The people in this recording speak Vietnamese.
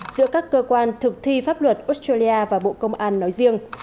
giữa các cơ quan thực thi pháp luật australia và bộ công an nói riêng